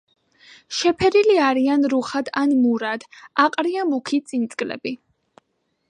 შეფერილი არიან რუხად ან მურად, აყრია მუქი წინწკლები.